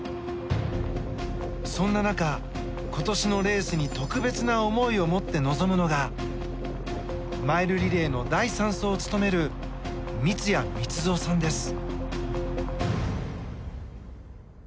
そんな中、今年のレースに特別な思いを持って臨むのがマイルリレーの第３走を務める三ツ谷光造さんです。